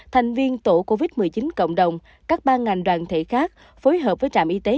thành viên tổ covid một mươi chín cộng đồng các ban ngành đoàn thể khác phối hợp với trạm y tế